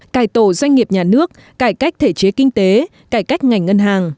cải tổ doanh nghiệp nhà nước cải cách thể chế kinh tế cải cách ngành ngân hàng